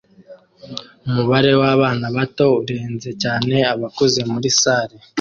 Umubare wabana bato urenze cyane abakuze muri salle